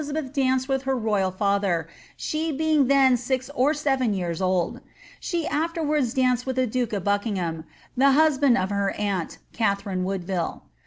• Diabeth danced with her royal father, she being then six or seren yearv old ; she afterwards danced with the duke of Buckingham, the husband of her aunt, Katharine Woodville.